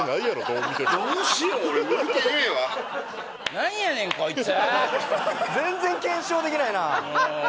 何やねんこいつ！